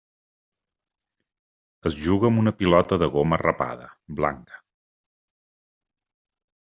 Es juga amb una pilota de goma rapada, blanca.